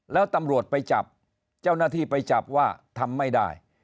แล้วตำรวจไปจับเจ้าหน้าที่ไปจับว่าทำไม่ได้